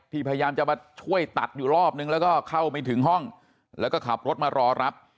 พยายามจะมาช่วยตัดอยู่รอบนึงแล้วก็เข้าไม่ถึงห้องแล้วก็ขับรถมารอรับ